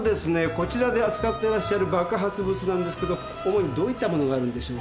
こちらで扱ってらっしゃる爆発物なんですけど主にどういったものがあるんでしょうか？